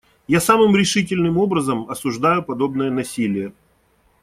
Я самым решительным образом осуждаю подобное насилие.